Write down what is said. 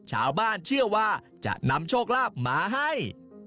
ชาวบ้านเชื่อว่าจะนำโชคลาภมาให้